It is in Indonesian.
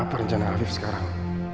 apa rencana arif sekarang